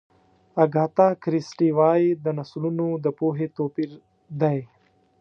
اګاتا کریسټي وایي د نسلونو د پوهې توپیر دی.